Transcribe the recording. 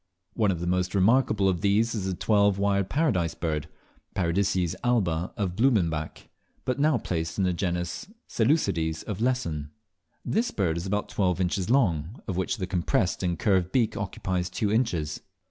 One of the most remarkable of these is the Twelve wired Paradise Bird, Paradises alba of Blumenbach, but now placed in the genus Seleucides of Lesson. This bird is about twelve inches long, of which the compressed and curved beak occupies two inches.